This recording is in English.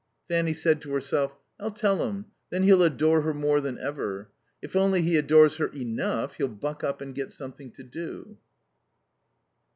Fanny said to herself: "I'll tell him, then he'll adore her more than ever. If only he adores her enough he'll buck up and get something to do."